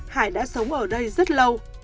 hải đã sống ở đây rất lâu